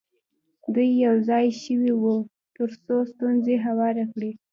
دوی یو ځای شوي وي تر څو ستونزه هواره کړي.